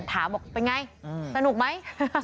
ถามบอกเป็นไงสนุกไหม